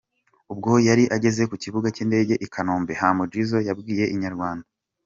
Ubwo yari ageze ku kibuga cy’indege i Kanombe, Humble Jizzo yabwiye Inyarwanda.